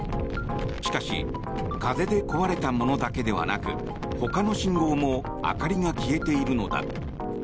しかし風で壊れたものだけではなくほかの信号も明かりが消えているのだ。